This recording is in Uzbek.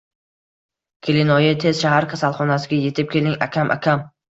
Kelinoyi, tez shahar kasalxonasiga yetib keling, akam, akam…